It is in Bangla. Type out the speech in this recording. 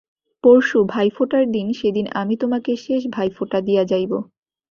পরশু ভাইফোঁটার দিন, সেদিন আমি তোমাকে শেষ ভাইফোঁটা দিয়া যাইব।